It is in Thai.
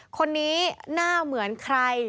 คนนี้หน้าเหมือนใคร